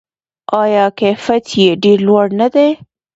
آیا کیفیت یې ډیر لوړ نه دی؟